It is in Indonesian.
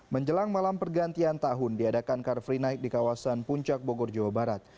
menjelang malam pergantian tahun diadakan car free night di kawasan puncak bogor jawa barat